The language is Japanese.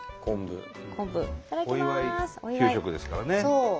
お祝い給食ですからね。